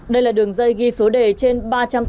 đây là đường dây ghi số đề trên ba trăm linh tỷ đồng